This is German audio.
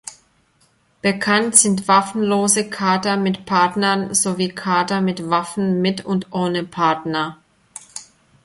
Bekannt sind waffenlose Kata mit Partnern sowie Kata mit Waffen mit und ohne Partner.